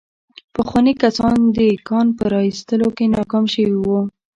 پخواني کسان د کان په را ايستلو کې ناکام شوي وو.